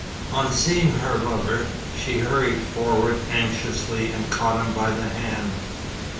On seeing her lover, she hurried forward anxiously and caught him by the hand.